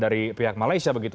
dari pihak malaysia begitu